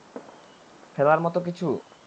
ফেলার মত কিছু?